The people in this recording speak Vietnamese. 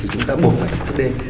chúng ta buồn phải tập thức đêm